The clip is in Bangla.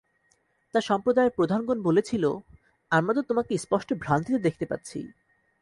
তার সম্প্রদায়ের প্রধানগণ বলেছিল, আমরা তো তোমাকে স্পষ্ট ভ্রান্তিতে দেখতে পাচ্ছি।